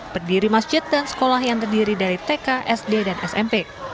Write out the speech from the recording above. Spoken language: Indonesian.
berdiri masjid dan sekolah yang terdiri dari tk sd dan smp